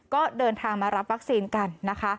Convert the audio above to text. ก็เดินทางมารับวัคซีนกันนะคะ